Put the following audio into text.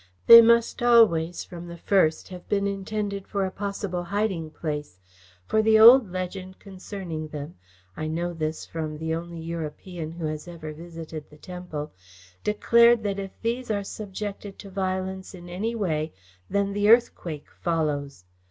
They must always, from the first, have been intended for a possible hiding place, for the old legend concerning them I know this from the only European who has ever visited the temple declared that if these are subjected to violence in any way, then the earthquake follows.